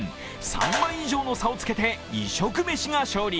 ３倍以上の差をつけて異色メシが勝利。